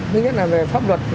điều nhất là về pháp luật